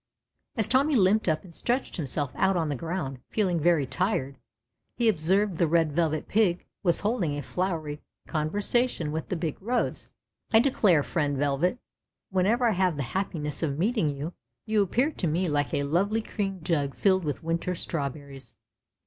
As Tommy limj)ed up and stretched himself out on the ground feeling very tired, he observed the Red Velvet Pig was holding a flowery conversation with the big rose. declare, friend Velvet, whenever I have the happiness of meeting you, you appear to me like a lovely cream jug filled with winter strawberries.